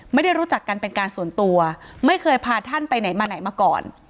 ไม่ได้รู้จักกันเป็นการส่วนตัวไม่เคยพาท่านไปไหนมาไหนมาก่อน